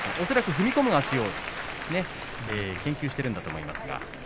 踏み込みの足を研究しているのだと思います。